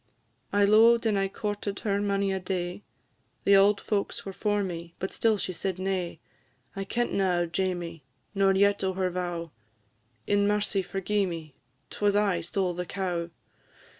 "I lo'ed and I courted her mony a day, The auld folks were for me, but still she said nay; I kentna o' Jamie, nor yet o' her vow; In mercy forgi'e me, 'twas I stole the cow!